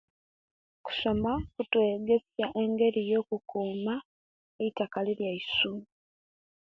Okusoma kutwegesia engeri yo okukuma eyitakali liyaisu